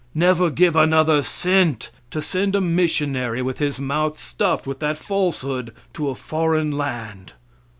Never give another cent to send a missionary with his mouth stuffed with that falsehood to a foreign land.